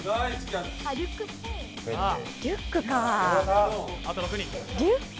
リュックかぁ。